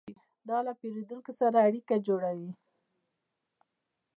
دا له پیرودونکو سره اړیکه جوړوي.